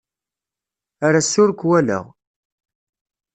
Ar ass-a ur k-walaɣ.